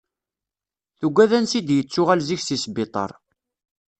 Tuggad ansi d-yettuɣal zik si sbiṭar.